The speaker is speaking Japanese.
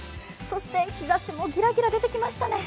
そして日ざしもぎらぎら出てきましたね。